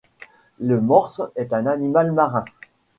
Le morse est un animal marin